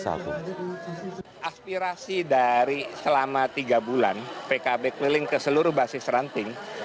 aspirasi dari selama tiga bulan pkb keliling ke seluruh basis ranting